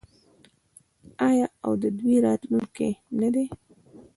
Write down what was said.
آیا او د دوی راتلونکی نه دی؟